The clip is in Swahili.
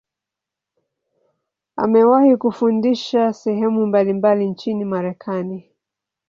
Amewahi kufundisha sehemu mbalimbali nchini Marekani.